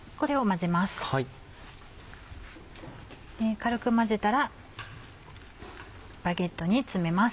軽く混ぜたらバゲットに詰めます。